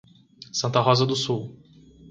Santa Rosa do Sul